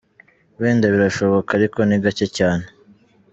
Wenda birashoboka ariko ni gake cyane.